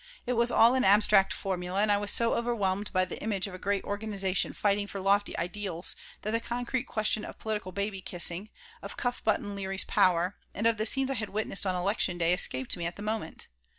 It was all an abstract formula, and I was so overwhelmed by the image of a great organization fighting for lofty ideals that the concrete question of political baby kissing, of Cuff Button Leary's power, and of the scenes I had witnessed on Election Day escaped me at the moment.